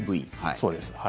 そうです。